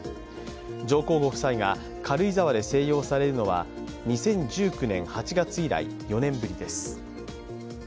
上皇ご夫妻が軽井沢で静養されるのは２０１９年８月以来、４年ぶりです。